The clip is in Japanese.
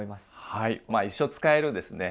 はい一生使えるですね